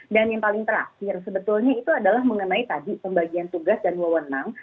dan yang paling terakhir sebetulnya itu adalah mengenai tadi pembagian tugas dan wewenang